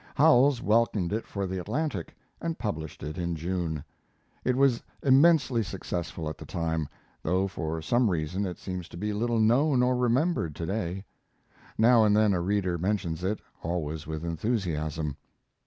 Howells welcomed it for the Atlantic, and published it in June. It was immensely successful at the time, though for some reason it seems to be little known or remembered to day. Now and then a reader mentions it, always with enthusiasm.